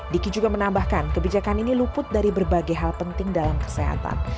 diki juga menambahkan kebijakan ini luput dari berbagai hal penting dalam kesehatan